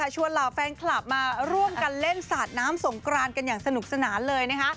เหล่าแฟนคลับมาร่วมกันเล่นสาดน้ำสงกรานกันอย่างสนุกสนานเลยนะคะ